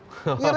ini repot kan